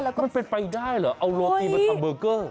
มันเป็นไปได้เหรอเอาโรตีมาทำเบอร์เกอร์